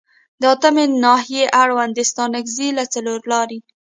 د اتمې ناحیې اړوند د ستانکزي له څلورلارې